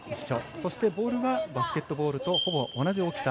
そしてボールがバスケットボールとほぼ同じ大きさ。